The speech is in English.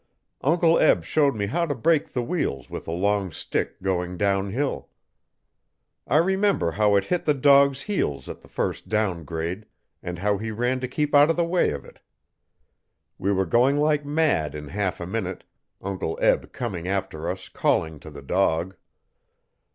Uncle Eb showed me how to brake the wheels with a long stick going downhill. I remember how it hit the dog's heels at the first down grade, and how he ran to keep out of the way of it We were going like mad in half a minute, Uncle Eb coming after us calling to the dog.